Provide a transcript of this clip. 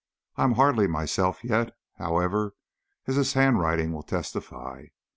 I am hardly myself yet, however, as this handwriting will testify.